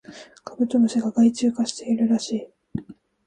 カブトムシが害虫化しているらしい